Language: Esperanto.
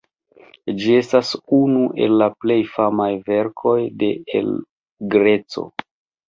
Ĝi estas unu el plej famaj verkoj de El Greco.